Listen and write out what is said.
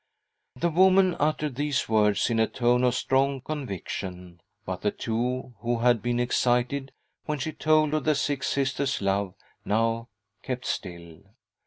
The woman uttered these words in a tone of strong conviction, but the two, who' had been excited when she told of the sick Sister's love, now kept still.